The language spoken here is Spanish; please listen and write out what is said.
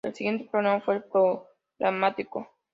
El siguiente problema fue el programático.